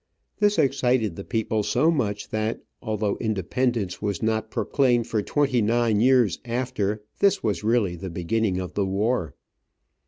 This excited the people so much that, although independence was not pro claimed for twenty nine years after, this was really the beginning of the war.